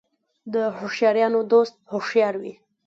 د هوښیارانو دوست هوښیار وي .